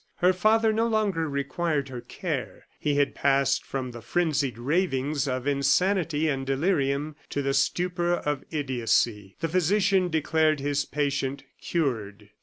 Her father no longer required her care. He had passed from the frenzied ravings of insanity and delirium to the stupor of idiocy. The physician declared his patient cured.